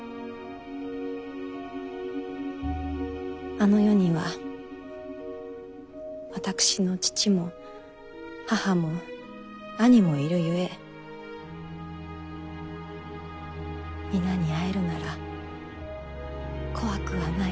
あの世には私の父も母も兄もいるゆえ皆に会えるなら怖くはない。